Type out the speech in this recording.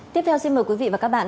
tiếp theo xin mời quý vị và các bạn